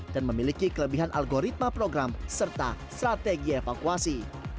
dan memiliki kelebihan algoritma program serta strategi evakuasi